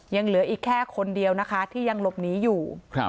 ยังเหลืออีกแค่คนเดียวนะคะที่ยังหลบหนีอยู่